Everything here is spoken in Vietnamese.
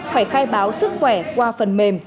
phải khai báo sức khỏe qua phần mềm